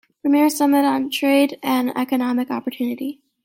Premier's Summit on Trade and Economic Opportunity.